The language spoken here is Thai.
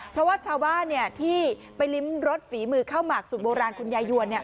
เพราะว่าชาวบ้านที่ไปริมรสฝีมือข้าวหมากสูตรโบราณคุณยายวนเนี่ย